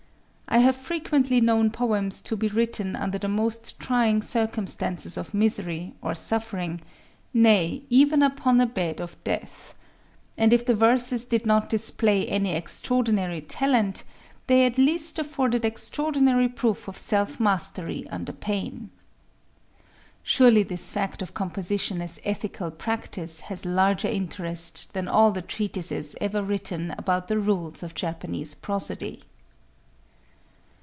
I have frequently known poems to be written under the most trying circumstances of misery or suffering,—nay even upon a bed of death; and if the verses did not display any extraordinary talent, they at least afforded extraordinary proof of self mastery under pain…. Surely this fact of composition as ethical practice has larger interest than all the treatises ever written about the rules of Japanese prosody.